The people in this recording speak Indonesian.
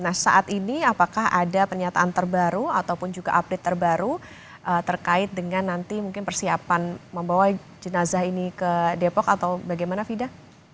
nah saat ini apakah ada pernyataan terbaru ataupun juga update terbaru terkait dengan nanti mungkin persiapan membawa jenazah ini ke depok atau bagaimana fida